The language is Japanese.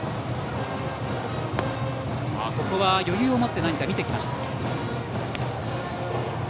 ここは余裕を持って見てきました。